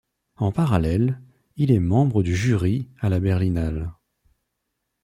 En parallèle, il est membre du jury à la Berlinale.